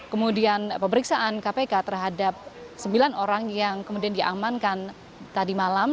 kemudian pemeriksaan kpk terhadap sembilan orang yang kemudian diamankan tadi malam